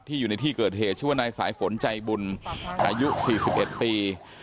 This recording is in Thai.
อยู่ในที่เกิดเหตุชื่อว่านายสายฝนใจบุญอายุ๔๑ปี